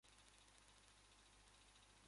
برای اقناع شهوت خود به زنها حمله میکرد.